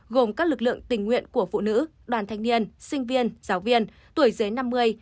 gồm các lực lượng tình nguyện của phụ nữ đoàn thanh niên sinh viên giáo viên tuổi dưới năm mươi